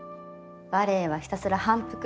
バレエはひたすら反復。